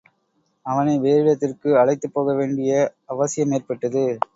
அவனை வேறிடத்திற்கு அழைத்துப் போகவேண்டிய அவசியமேற்பட்டது.